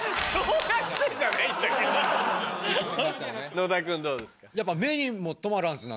野田君どうですか？